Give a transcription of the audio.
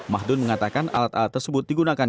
mahdun mengatakan alat alat tersebut digunakan